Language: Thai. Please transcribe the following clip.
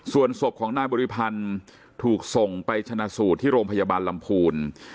ส่วนศพของนายบริพันธ์ถูกส่งไปชนะสูตรที่โรงพยาบาลลำพูน